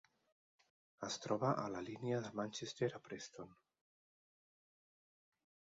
Es troba a la línia de Manchester a Preston.